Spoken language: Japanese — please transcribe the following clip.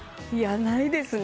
ないですね。